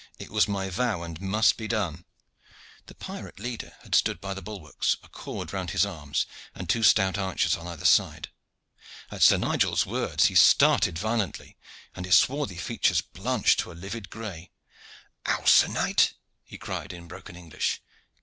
"It was my vow and must be done." The pirate leader had stood by the bulwarks, a cord round his arms, and two stout archers on either side. At Sir Nigel's words he started violently, and his swarthy features blanched to a livid gray. "How, Sir Knight?" he cried in broken English.